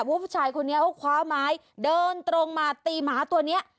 ผู้ชายคนนี้เขาคว้าไม้เดินตรงมาตีหมาตัวนี้